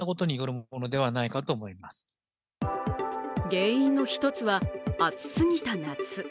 原因の１つは暑すぎた夏。